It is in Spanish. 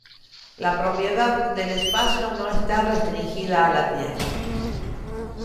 La propiedad del espacio no está restringida a la tierra.